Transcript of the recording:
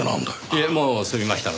いえもう済みましたので。